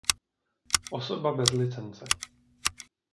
Osoba bez licence.